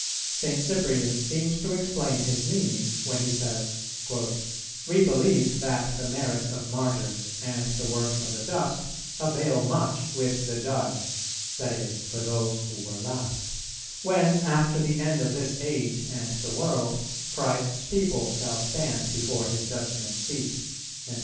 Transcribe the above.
St. Cyprian seems to explain his meaning when he says, "We believe that the merits of Martyrs and the works of the just avail much with the Judge," that is, for those who were lapsed, "when, after the end of this age and the world, Christ's people shall stand before His judgment seat."